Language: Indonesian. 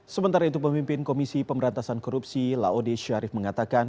sementara itu pemimpin komisi pemberantasan korupsi laode syarif mengatakan